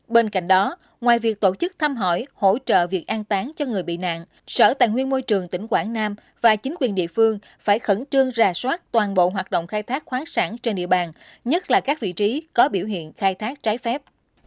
bên cạnh đó ngoài việc tổ chức thăm hỏi hỗ trợ việc an tán cho người bị nạn sở tài nguyên môi trường tỉnh quảng nam và chính quyền địa phương phải khẩn trương rà soát toàn bộ hoạt động khai thác khoáng sản trên địa bàn nhất là các vị trí có biểu hiện khai thác trái phép